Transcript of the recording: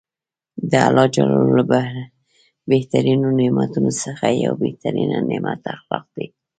د الله ج له بهترینو نعمتونوڅخه یو بهترینه نعمت اخلاق دي .